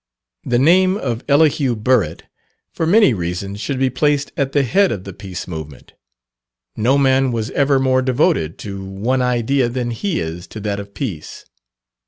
The name of Elihu Burritt, for many reasons, should be placed at the head of the Peace Movement. No man was ever more devoted to one idea than he is to that of peace.